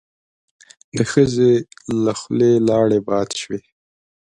د ښځې له خولې لاړې باد شوې.